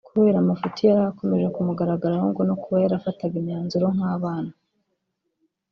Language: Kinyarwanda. kubera amafuti yari akomeje kumugaragaraho ngo no kuba yarafataga imyanzuro nk’abana